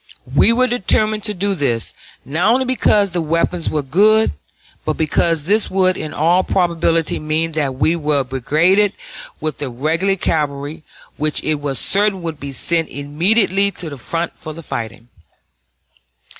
We were determined to do this, not only because the weapons were good, but because this would in all probability mean that we were brigaded with the regular cavalry, which it was certain would be sent immediately to the front for the fighting.